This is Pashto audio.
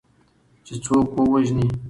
چې څوک ووژني